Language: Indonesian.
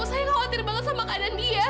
saya khawatir banget sama keadaan dia